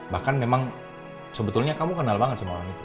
bahkan memang sebetulnya kamu kenal banget sama orang itu